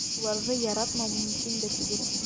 Уларҙы яратмау мөмкин дә түгел.